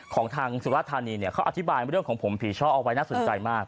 ของทางสุราธานีเนี่ยเขาอธิบายเรื่องของผมผีช่อเอาไว้น่าสนใจมาก